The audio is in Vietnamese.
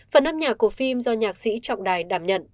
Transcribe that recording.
phần âm nhạc của phim do nhạc sĩ trọng đài đảm nhận